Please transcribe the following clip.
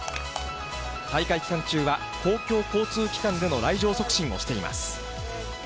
大会期間中は、公共交通機関での来場促進をしています。